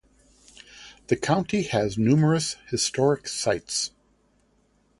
The county has numerous historic sites.